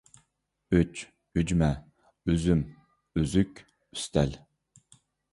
ئۈچ، ئۈجمە، ئۈزۈم، ئۈزۈك، ئۈستەل.